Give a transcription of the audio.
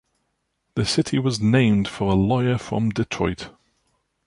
The city was named for a lawyer from Detroit.